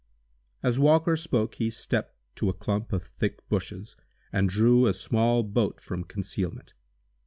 As Walker spoke he stepped to a clump of thick bushes, and drew a small boat from concealment.